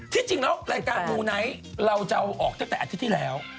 ที่จริงแล้วรายการมูไนท์เราจะเอาออกตั้งแต่อาทิตย์ที่แล้ว